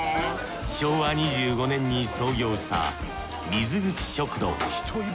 昭和２５年に創業した水口食堂。